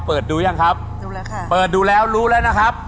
เปิดดูยังครับดูแล้วค่ะเปิดดูแล้วรู้แล้วนะครับ